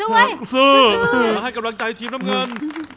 สู้มาให้กำลังใจทีมน้ำเงิน